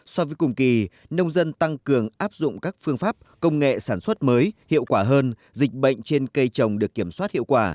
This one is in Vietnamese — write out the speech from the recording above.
so với cùng kỳ nông dân tăng cường áp dụng các phương pháp công nghệ sản xuất mới hiệu quả hơn dịch bệnh trên cây trồng được kiểm soát hiệu quả